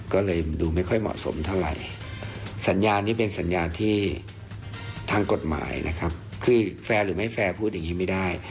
ก็เลยดูไม่ค่อยเหมาะสมเท่าไหร่สัญญานี้เป็นสัญญาที่ทางกฎหมายนะครับคือแฟร์หรือไม่แฟร์พูดอย่างนี้ไม่ได้